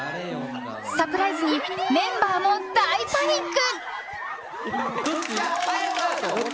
サプライズにメンバーも大パニック！